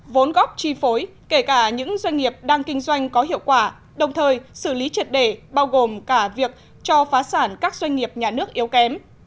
vốn góp chi phối kể cả những doanh nghiệp đang kinh doanh có hiệu quả đồng thời xử lý triệt đề bao gồm cả việc cho phá sản các doanh nghiệp nhà nước yếu kém